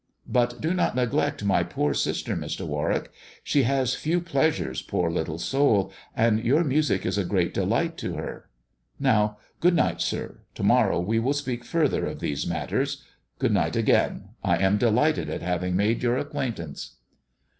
But do not neglect my poor sister, Mr. Warwick. She has few pleasures, poor little soul, and your music is a great delight to her. Now, good night, sir ! To morrow we will speak further of these matters. Good night again. I am delighted at having made your acquaintance."